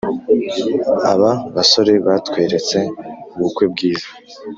Aba basore batweretse ubukwe bwiza